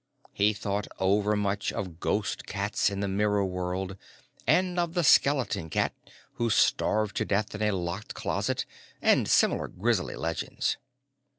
He thought over much of ghost cats in the mirror world and of the Skeleton Cat who starved to death in a locked closet and similar grisly legends.